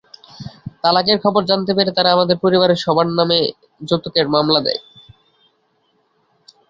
তালাকের খবর জানতে পেরে তারা আমাদের পরিবারের সবার নামে যৌতুকের মামলা দেয়।